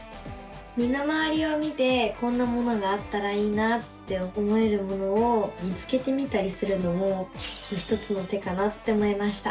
身の回りを見てこんなものがあったらいいなって思えるものを見つけてみたりするのも一つの手かなって思いました。